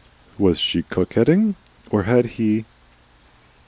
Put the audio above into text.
Was she coquetting? Or had he